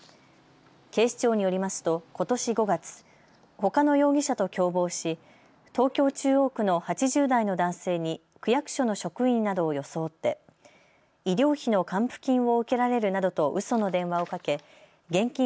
警視庁によりますとことし５月、ほかの容疑者と共謀し東京中央区の８０代の男性に区役所の職員などを装って医療費の還付金を受けられるなどとうその電話をかけ現金